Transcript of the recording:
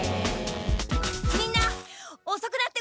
みんなおそくなってごめん！